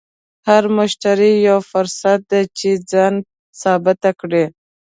هر مشتری یو فرصت دی چې ځان ثابت کړې.